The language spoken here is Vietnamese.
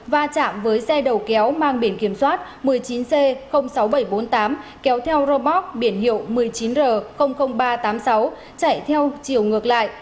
và chạm với xe đầu kéo mang biển kiểm soát một mươi chín c sáu nghìn bảy trăm bốn mươi tám kéo theo rơ móc biển hiệu một mươi chín r ba trăm tám mươi sáu chạy theo chiều ngược lại